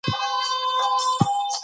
سیاسي پوهاوی د دروغو مخه نیسي